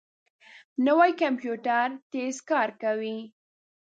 نوی کمپیوټر تېز کار کوي